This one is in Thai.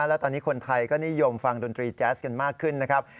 และตอนนี้คนไทยก็นิยมฟังดนตรีแจ๊สกันมากขึ้นนะครับ